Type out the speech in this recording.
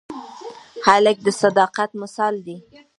هلک د صداقت مثال دی.